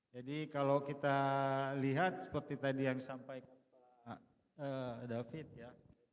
jadi kalau kita lihat seperti tadi yang disampaikan david ya